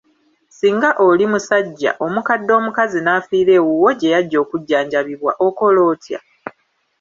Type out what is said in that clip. Singa oli musajja, omukadde omukazi n’afiira ewuwo gye yajja okujjanjabibwa okola otya?